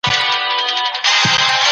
تاسي باید خپل کالي په نوي توګه ومینځئ.